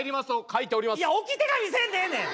いや置き手紙せんでええねん。